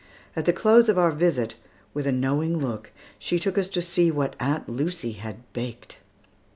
At the close of our visit, with a knowing look, she took us to see what Aunt Lucy had baked.